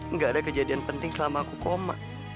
nggak ada kejadian penting selama aku koma